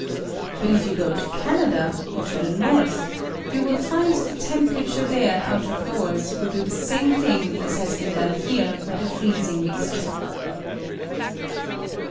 But if you go to Canada, or to the North, you will find the temperature there out of doors will do the same thing as has been done here by the freezing mixture.